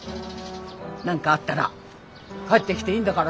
何かあったら帰ってきていいんだからね。